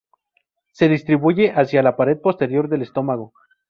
Se distribuye hacia la pared posterior del estómago.